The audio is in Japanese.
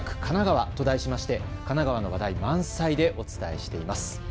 神奈川と題しまして神奈川の話題満載でお伝えしています。